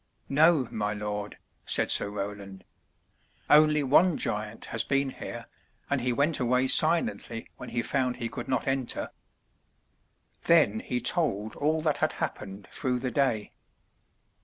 "No, my Lord," said Sir Roland. "Only one giant has been here, and he went away silently when he found he could not enter." Then he told all that had happened through the day.